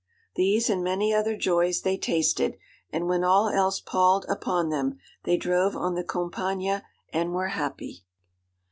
These and many other joys they tasted, and when all else palled upon them they drove on the Campagna and were happy.